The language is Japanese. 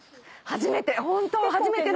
初めて！